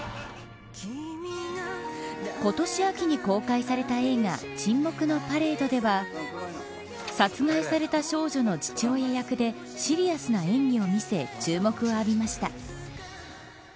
今年秋に公開された映画沈黙のパレードでは殺害された少女の父親役でシリアスな演技を見せ注目を浴びました。